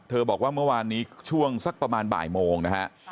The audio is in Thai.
บอกว่าเมื่อวานนี้ช่วงสักประมาณบ่ายโมงนะฮะ